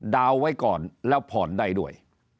ดาวน์ไว้ก่อนแล้วผ่อนได้ด้วย